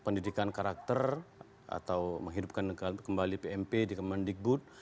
pendidikan karakter atau menghidupkan kembali pmp di kemendikbud